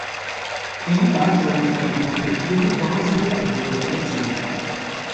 তিনি তার জমিদারী আমলে খুবই প্রভাবশালী একজন জমিদার ছিলেন।